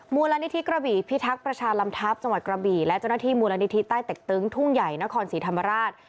มูลนิธิกระบี่พิทักษ์ประชาลำทัพจังหวัดกระบี่และเจ้าหน้าที่มูลนิธิใต้เต็กตึงทุ่งใหญ่นครศรีธรรมราช